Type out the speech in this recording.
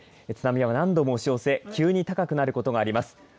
津波は何度も押し寄せ急に高くなることがあります。